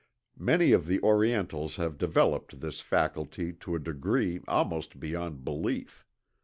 Many of the Orientals have developed this faculty to a degree almost beyond belief.